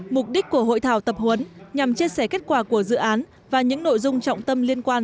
mục đích của hội thảo tập huấn nhằm chia sẻ kết quả của dự án và những nội dung trọng tâm liên quan